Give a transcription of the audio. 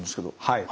はい。